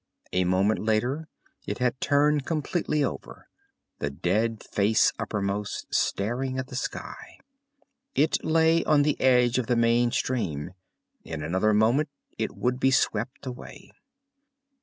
A moment later it had turned completely over, the dead face uppermost, staring at the sky. It lay on the edge of the main stream. In another moment it would be swept away.